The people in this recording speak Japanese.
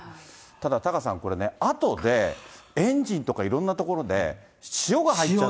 ただ、タカさん、これね、あとでエンジンとかいろんなところで塩が入っちゃって。